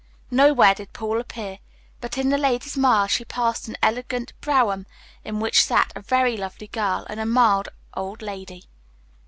Nowhere did Paul appear, but in the Ladies' Mile she passed an elegant brougham in which sat a very lovely girl and a mild old lady.